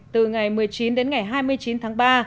từ ngày một mươi chín đến ngày hai mươi chín tháng ba